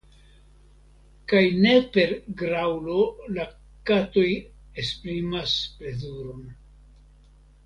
Kaj ne per graŭlo la katoj esprimas plezuron.